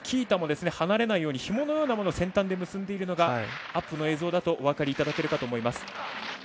スキー板も離れないようにひものようなもので先端で結んでいるのがアップの映像だとお分かりいただけるかと思います。